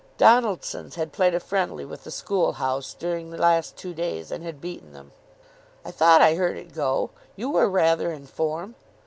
Donaldson's had played a friendly with the school house during the last two days, and had beaten them. "I thought I heard it go. You were rather in form."